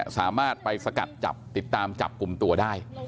สามารถไปสกัดจับติดตามจับกลุ่มตัวได้